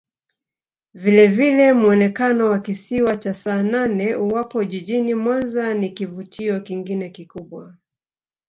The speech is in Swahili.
Vilevile muonekano wa Kisiwa cha Saanane uwapo jijini Mwanza ni kivutio kingine kikubwa